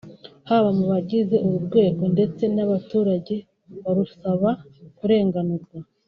haba ku bagize uru rwego ndetse n’abaturage barusaba kurenganurwa